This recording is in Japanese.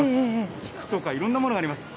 菊とかいろんなものがあります。